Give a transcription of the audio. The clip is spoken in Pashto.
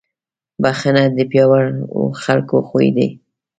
بښنه د پیاوړو خلکو خوی دی.